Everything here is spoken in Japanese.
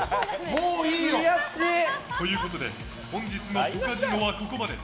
もういいよ。ということで本日のポカジノはここまで！